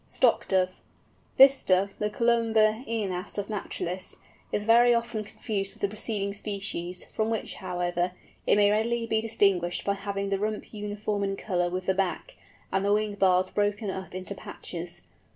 STOCK DOVE. This Dove, the Columba ænas of naturalists, is very often confused with the preceding species, from which, however, it may readily be distinguished by having the rump uniform in colour with the back, and the wing bars broken up into patches.